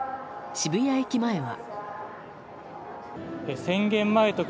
渋谷駅前は。